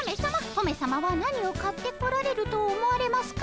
トメさまは何を買ってこられると思われますか？